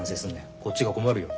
こっちが困るよ。